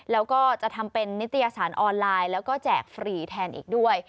แล้วก็จะทำเป็นนิตยสารออนไลน์แล้วก็แจกฟรีแทนอีกด้วย